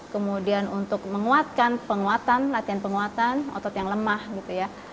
kemudian untuk menguatkan penguatan latihan penguatan otot yang lemah gitu ya